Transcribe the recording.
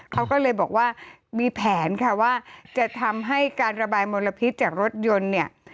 เขาก็เลยบอกว่ามีแผนค่ะว่าจะทำให้การระบายมลพิษจากรถยนต์เนี่ย